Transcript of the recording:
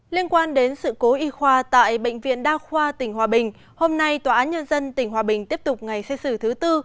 liên quan đến sự cố y khoa tại bệnh viện đa khoa tỉnh hòa bình hôm nay tòa án nhân dân tỉnh hòa bình tiếp tục ngày xét xử thứ tư